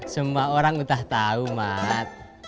semua orang udah tahu mat